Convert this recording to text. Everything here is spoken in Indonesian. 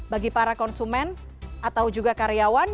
bagi para konsumen atau juga karyawan